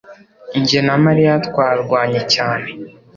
Jye na mariya twarwanye cyane